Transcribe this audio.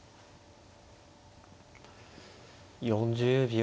４０秒。